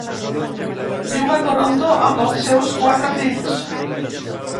Viu a Toronto amb els seus quatre fills.